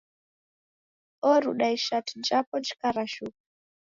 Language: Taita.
Oruda ishati japo jikarashuka.